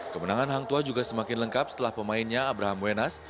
kemenangan hangtua juga semakin lengkap setelah pemainnya abraham wenas